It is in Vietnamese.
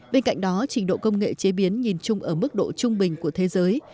bên cạnh đó trình độ công nghệ chế biến nhìn chung ở mức độ trung bình của thế giới